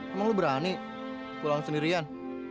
emang lo berani pulang sendirian